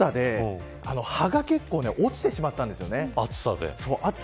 暑さで葉が結構落ちてしまったんですよね。